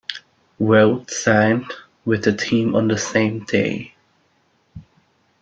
Routt signed with the team on the same day.